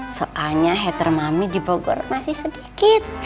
soalnya hater mami di bogor masih sedikit